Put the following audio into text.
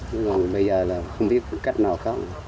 chứ còn bây giờ là không biết cách nào khác